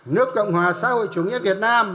nước cộng hòa xã hội chủ nghĩa việt nam